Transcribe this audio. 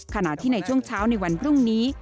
ขณะที่ในช่วงเช้าในวันพรุ่งนี้